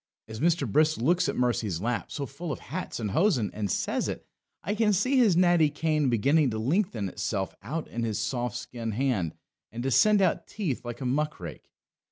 As Mr. Brisk looks at Mercy's lap so full of hats and hosen and says it, I can see his natty cane beginning to lengthen itself out in his soft skinned hand and to send out teeth like a muck rake.